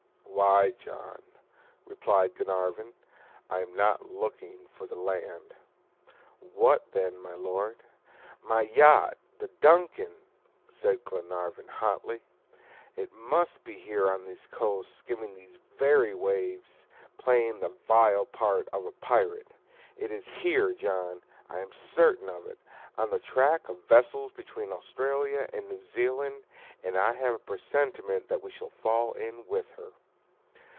"Why, John?" replied Glenarvan. "I am not looking for the land." "What then, my Lord?" "My yacht! the DUNCAN," said Glenarvan, hotly. "It must be here on these coasts, skimming these very waves, playing the vile part of a pirate! It is here, John; I am certain of it, on the track of vessels between Australia and New Zealand; and I have a presentiment that we shall fall in with her."